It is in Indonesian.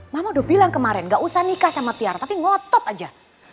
mama udah bilang kemarin gak usah nikah sama tiara tapi ngotot aja